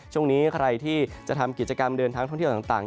ช่วงนี้ใครที่จะทำกิจกรรมเดินทางท่องเที่ยวต่าง